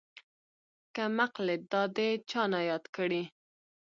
کمقلې دادې چانه ياد کړي.